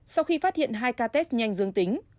sau khi phát hiện hai ca test nhanh dương tính